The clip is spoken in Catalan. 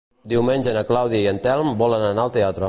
Diumenge na Clàudia i en Telm volen anar al teatre.